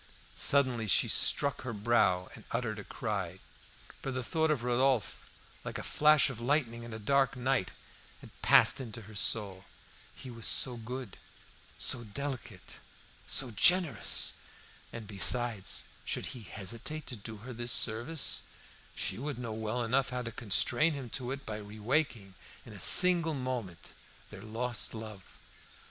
Suddenly she struck her brow and uttered a cry; for the thought of Rodolphe, like a flash of lightning in a dark night, had passed into her soul. He was so good, so delicate, so generous! And besides, should he hesitate to do her this service, she would know well enough how to constrain him to it by re waking, in a single moment, their lost love.